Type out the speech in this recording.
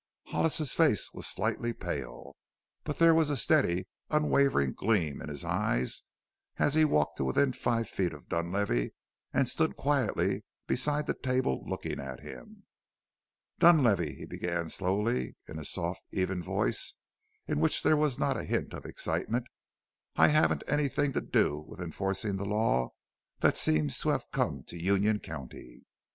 Hollis's face was slightly pale, but there was a steady, unwavering gleam in his eyes as he walked to within five feet of Dunlavey and stood quietly beside the table looking at him. "Dunlavey," he began slowly, in a soft, even voice, in which there was not a hint of excitement, "I haven't anything to do with enforcing the law that seems to have come to Union County.